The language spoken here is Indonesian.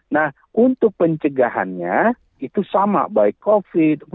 nah untuk pencegahannya itu sama baik covid